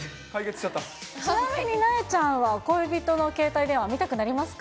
ちなみになえちゃんは、恋人の携帯電話、見たくなりますか？